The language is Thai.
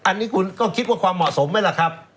อันนี้คุณก็คิดว่าความเหมาะสมไหมล่ะครับ